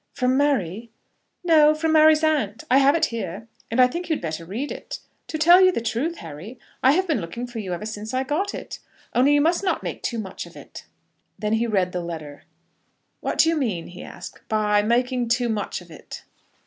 "From Mary?" "No; from Mary's aunt. I have it here, and I think you had better read it. To tell you the truth, Harry, I have been looking for you ever since I got it. Only you must not make too much of it." Then he read the letter. "What do you mean," he asked, "by making too much of it?"